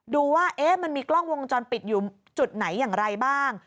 ดูว่ามันมีกล้องวงจรปิดอยู่จุดไหนอย่างไรบ้าง